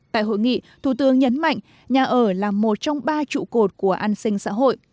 tại hội nghị thủ tướng nhấn mạnh nhà ở là một trong ba trụ cột của an sinh xã hội